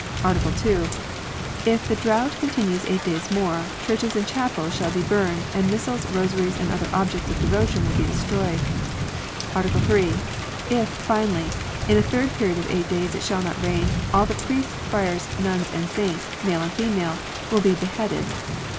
: 'Article 2. If the drougth continues eight days more, the churches and chapels shall be burned, and missals, rosaries, and other objects of deyo tion will be destroyed. "Article 5. If, finally, in a third period of eight days it shall not rain, all the priests, friars, nuns, and saints, male and female, will be beheaded.